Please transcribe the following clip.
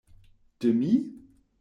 De mi?